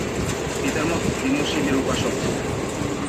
পিতার মতো তিনিও শিবের উপাসক ছিলেন।